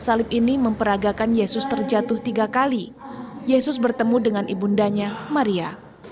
salib ini memperagakan yesus terjatuh tiga kali yesus bertemu dengan ibu undanya maria